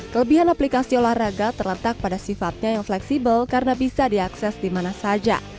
kelebihan aplikasi olahraga terletak pada sifatnya yang fleksibel karena bisa diakses di mana saja